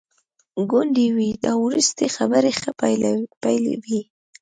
ګوندي وي دا وروستي خبري ښه پیل وي.